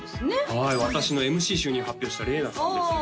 はい私のＭＣ就任を発表したれいなさんですね